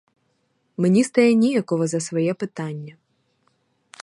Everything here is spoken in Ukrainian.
Мені стає ніяково за своє питання.